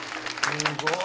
すごい！